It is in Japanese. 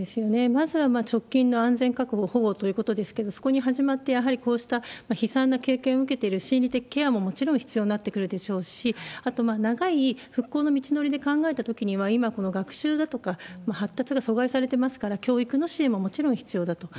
まずは直近の安全確保、保護ということですけれども、そこに始まって、やはりこうした悲惨な経験を受けている、心理的ケアももちろん必要になってくるでしょうし、あと、長い復興の道のりで考えたときには、今この学習だとか発達が阻害されてますから、教育の支援ももちろん必要だと。